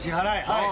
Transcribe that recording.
はい。